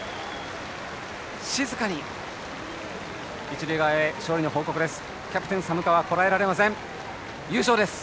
静かに一塁側へ勝利の報告です。